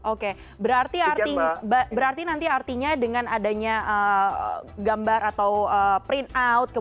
oke berarti nanti artinya dengan adanya gambar atau printout